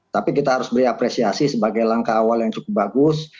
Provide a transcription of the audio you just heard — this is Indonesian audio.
tapi kita harus beri apresiasi sebagai langkah awal yang cukup bagus